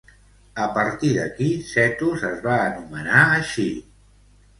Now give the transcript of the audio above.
A partir de qui Cetus es va anomenar així?